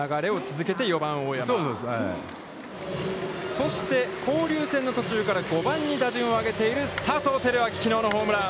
そして、交流戦の途中から５番に打順を上げている佐藤輝明、きのうのホームラン。